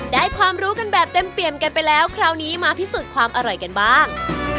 ได้ความรู้กันแบบเต็มเปี่ยมกันไปแล้วคราวนี้มาพิสูจน์ความอร่อยกันบ้าง